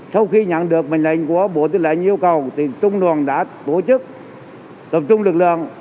sau khi nhận được mệnh lệnh của bộ tư lệnh yêu cầu thì trung đoàn đã tổ chức tập trung lực lượng